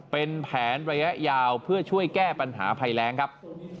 เป็นแผนระยะยาวเพื่อช่วยแก้ปัญหาภัยแรงครับ